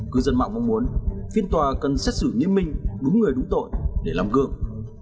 cư dân mạng mong muốn phiên tòa cần xét xử nghiêm minh đúng người đúng tội để làm gương